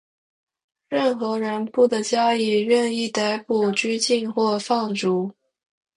任何人不得加以任意逮捕、拘禁或放逐。